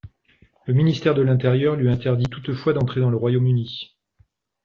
Le ministère de l'Intérieur lui interdit toutefois d'entrer dans le Royaume-Uni.